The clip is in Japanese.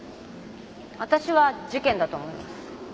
わたしは事件だと思います。